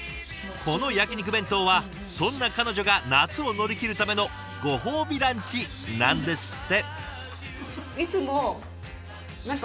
この焼き肉弁当はそんな彼女が夏を乗り切るためのご褒美ランチなんですって。